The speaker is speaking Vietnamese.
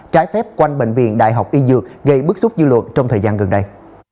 trái phép quanh bệnh viện đại học y dược gây bức xúc dư luận trong thời gian gần đây